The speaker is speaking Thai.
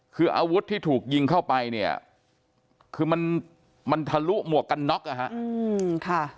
คืออาวุธที่ถูกยิงเข้าไปเนี่ยคือมันมันทะลุหมวกกันน็อกนะฮะ